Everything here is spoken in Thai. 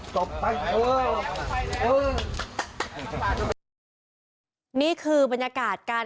พ่อหยิบมีดมาขู่จะทำร้ายแม่